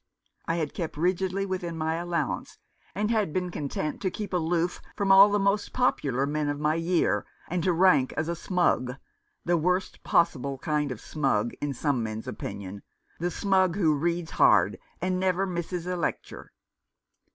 I had kept rigidly within my allowance, and had been content to keep aloof from all the most popular men of my year, and to rank as a smug — the worst possible kind of smug, in some men's opinion — the smug who reads hard and never misses a lecture."